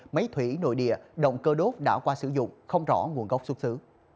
máy thủy nội địa động cơ đốt đã qua sử dụng không rõ nguồn gốc xuất xứ